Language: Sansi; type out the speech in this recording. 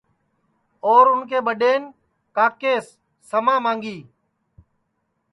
اور اُن کے ٻڈین کاکیس سما مانگی